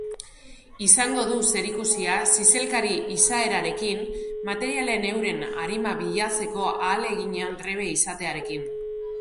Izango du zerikusia zizelkari izaerarekin, materialen euren arima bilatzeko ahaleginean trebe izatearekin.